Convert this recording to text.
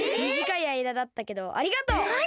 みじかいあいだだったけどありがとう！